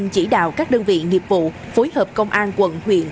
chỉ đạo các đơn vị nghiệp vụ phối hợp công an quận huyện